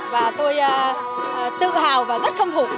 và tôi tự hào và rất khâm phục